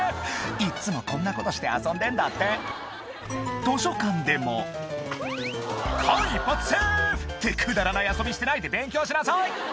いっつもこんなことして遊んでんだって図書館でも間一髪セーフ！ってくだらない遊びしてないで勉強しなさい